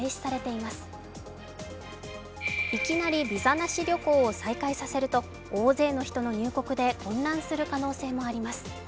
いきなりビザなし旅行を再開させると大勢の人の入国で混乱する可能性もあります。